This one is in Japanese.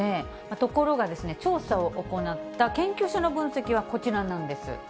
ところが、調査を行った研究所の分析はこちらなんです。